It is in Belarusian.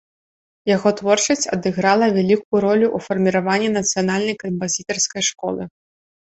Яго творчасць адыграла вялікую ролю ў фарміраванні нацыянальнай кампазітарскай школы.